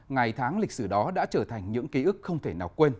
ngày tháng lịch sử đó đã trở thành những ký ức không thể nào quên